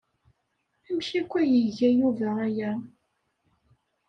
Amek akk ay iga Yuba aya?